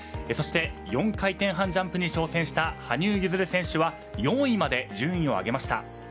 そして、４回転半ジャンプに挑戦した羽生結弦選手は４位まで順位を上げました。